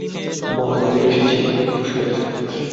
বলো, আমি এসেছি বলে খুশি হয়েছ!